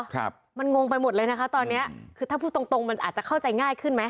ครับมันงงไปหมดเลยนะคะตอนเนี้ยคือถ้าพูดตรงตรงมันอาจจะเข้าใจง่ายขึ้นไหม